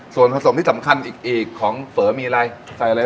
ส่วนผสมที่สำคัญอีกของเฝอมีอะไรใส่อะไร